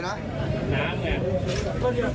พร้อมพ่อด้วย